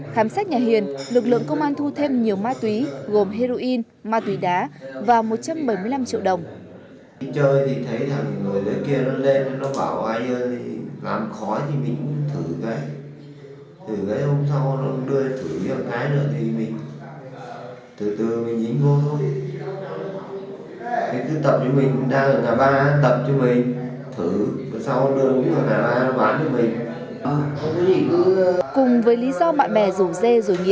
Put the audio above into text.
khám sát nhà hiền lực lượng công an thu thêm nhiều ma túy gồm heroin ma túy đá và một trăm bảy mươi năm triệu đồng